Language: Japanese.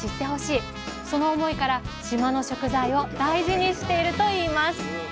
その思いから島の食材を大事にしているといいます